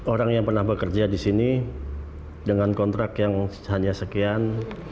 orang yang pernah bekerja di sini dengan kontrak yang hanya sekian